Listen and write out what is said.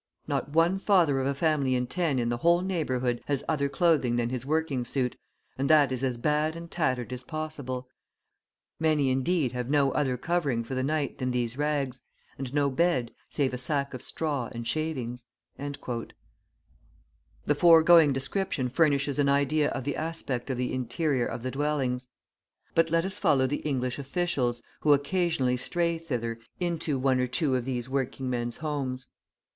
Not one father of a family in ten in the whole neighbourhood has other clothing than his working suit, and that is as bad and tattered as possible; many, indeed, have no other covering for the night than these rags, and no bed, save a sack of straw and shavings." The foregoing description furnishes an idea of the aspect of the interior of the dwellings. But let us follow the English officials, who occasionally stray thither, into one or two of these working men's homes.